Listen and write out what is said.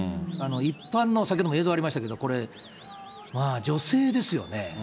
一般の、先ほども映像ありましたけれども、これ、女性ですよね。